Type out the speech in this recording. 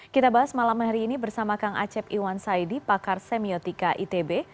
kita bahas malam hari ini bersama kang acep iwan saidi pakar semiotika itb